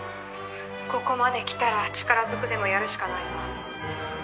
「ここまできたら力ずくでもやるしかないわ」